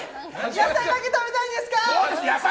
野菜だけ食べたいんですよ！